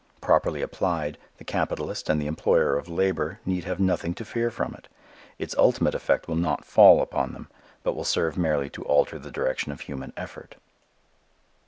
Properly applied, the capitalist and the employer of labor need have nothing to fear from it. Its ultimate effect will not fall upon them, but will serve merely to alter the direction of human effort.